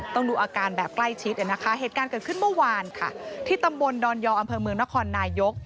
ดูอาการแบบใกล้ชิดนะคะเหตุการณ์เกิดขึ้นเมื่อวานค่ะที่ตำบลดอนยออำเภอเมืองนครนายก